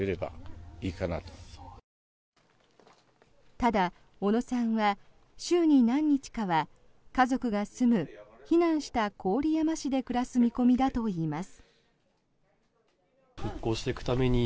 ただ、小野さんは週に何日かは、家族が住む避難した郡山市で暮らす見込みだといいます。